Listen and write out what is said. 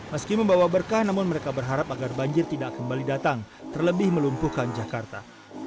meski membawa berkah namun mereka berharap agar banjir tidak kembali datang terlebih melumpuhkan jakarta